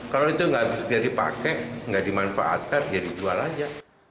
kalau itu tidak bisa dipakai tidak dimanfaatkan jadi jual saja